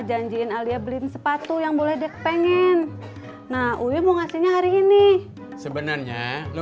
janjiin alia beliin sepatu yang boleh dipengin nah uy mau ngasihnya hari ini sebenarnya lu